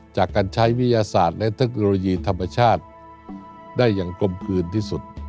จากการใช้วิทยาศาสตร์และเทคโนโลยีธรรมชาติได้อย่างกลมกลืนที่สุด